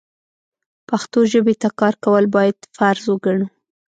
پښتو ژبې ته کار کول بايد فرض وګڼو.